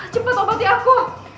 cepat obati aku